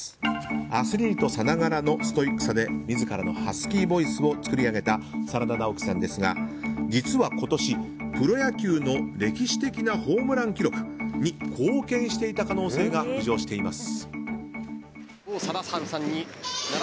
アスリートさながらのストイックさで自らのハスキーボイスを作り上げた真田ナオキさんですが実は今年プロ野球の歴史的なホームラン記録に貢献していた可能性が浮上しています。